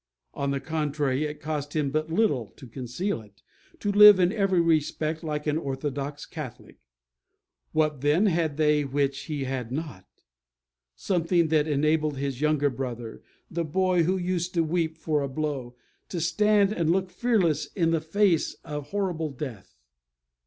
On the contrary, it cost him but little to conceal it, to live in every respect like an orthodox Catholic. What, then, had they which he had not? Something that enabled his young brother the boy who used to weep for a blow to stand and look fearless in the face of a horrible death.